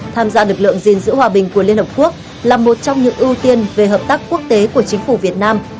tham gia lực lượng gìn giữ hòa bình của liên hợp quốc là một trong những ưu tiên về hợp tác quốc tế của chính phủ việt nam